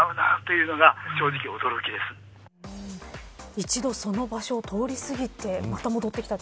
一度、その場所を通り過ぎてまた戻ってきた。